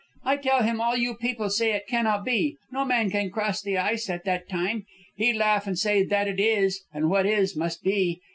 I tell him all you people say it cannot be; no man can cross the ice at that time. He laugh, and say that it is, and what is, must be.